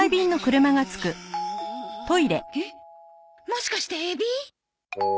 もしかしてエビ？